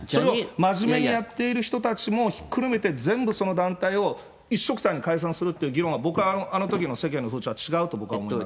真面目にやっている人たちも、ひっくるめて全部その団体を一緒くたに解散するっていう議論は、僕はあのときの世間の風潮は違うと僕は思います。